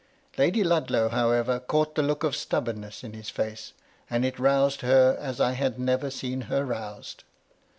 Lady Ludlow, however, caught the look of stubbornness in his face, and it roused her as I had never seen her roused.